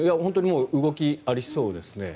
動きがありそうですね。